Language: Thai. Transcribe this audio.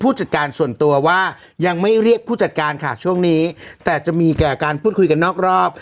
จัดการส่วนตัวว่ายังไม่เรียกผู้จัดการค่ะช่วงนี้แต่จะมีแก่การพูดคุยกันนอกรอบ